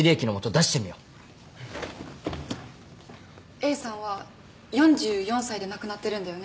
Ａさんは４４歳で亡くなってるんだよね。